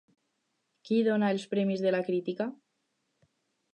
Qui dona els premis de la Crítica?